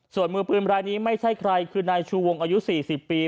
ส่วนมือปืนรายนี้ไม่ใช่ใครคือนายชูวงอายุ๔๐ปี